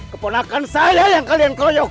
keponakan saya yang kalian keroyok